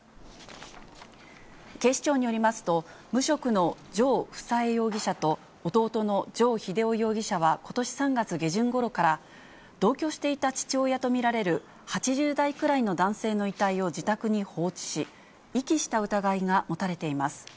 警視庁によりますと、無職の城富佐江容疑者と弟の城秀雄容疑者はことし３月下旬ごろから、同居していた父親と見られる８０代くらいの男性の遺体を自宅に放置し、遺棄した疑いが持たれています。